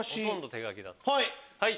はい。